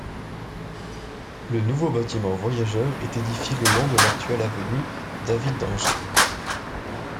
Le nouveau bâtiment voyageurs est édifié le long de l'actuelle avenue David-d'Angers.